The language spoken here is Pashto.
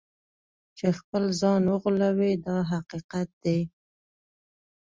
چې خپل ځان وغولوي دا حقیقت دی.